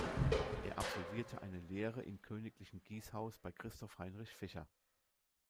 Er absolvierte eine Lehre im Königlichen Gießhaus bei Christoph Heinrich Fischer.